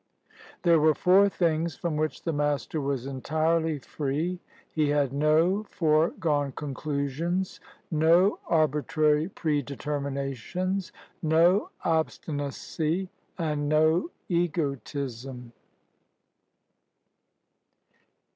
There were four things from which the Master was entirely free. He had no foregone conclusions, no arbi trary predeterminations, no obstinacy, and no egotism.